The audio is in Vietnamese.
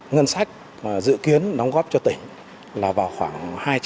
ngân sách dự kiến đóng góp cho tỉnh là vào khoảng hai trăm linh